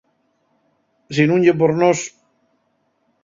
Si nun ye por nós…